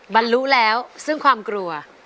บรรลุแล้วซึ่งความกลัว